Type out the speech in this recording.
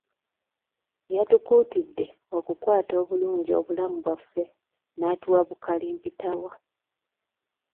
Yatukuutidde okukata obulungi obulamu bwaffe n'atuwa bu kalimpitawa.